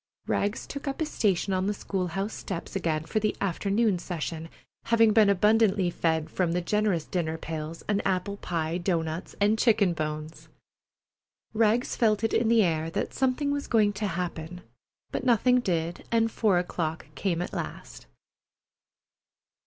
Rags took up his station on the school house steps again for the afternoon session, having been abundantly fed from the generous dinner pails, on apple pie, doughnuts, and chicken bones. Rags felt it in the air that something was going to happen, but nothing did, and four o'clock came at last.